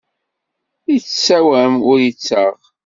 Ittsawam, ur ittaɣ.